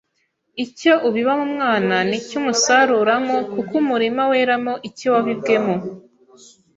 Icyo ubiba mu mwana ni cyo umusaruramo kuko umurima weramo icyo wabibwemo